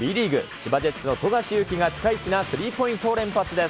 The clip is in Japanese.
千葉ジェッツの富樫勇樹がピカイチなスリーポイントを連発です。